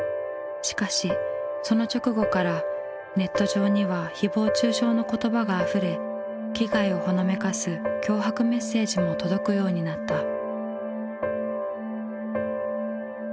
しかしその直後からネット上にはひぼう中傷の言葉があふれ危害をほのめかす脅迫メッセージも届くようになった。